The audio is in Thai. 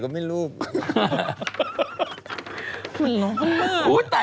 วันร้อนของเรา